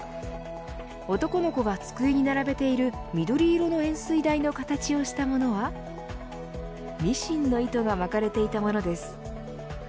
男の子が机に並べている緑色の円すい台の形をしたものはミシンの糸が巻かれていたものです。